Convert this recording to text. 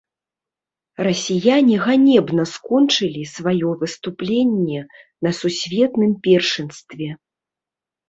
Расіяне ганебна скончылі сваё выступленне на сусветным першынстве.